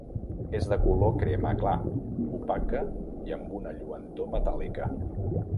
És de color crema clar, opaca i amb una lluentor metàl·lica.